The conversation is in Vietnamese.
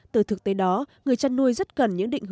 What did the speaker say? từ thực tế đó người chăn nuôi rất cần những định hướng